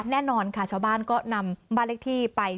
แน่นอนค่ะชาวบ้านก็นำบ้านเลขที่ไป